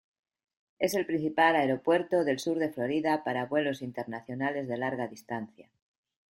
Es el principal aeropuerto del sur de Florida para vuelos internacionales de larga distancia.